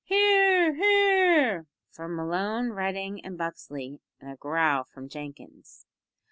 (Hear, hear from Malone, Redding, and Buxley, and a growl from Jenkins.)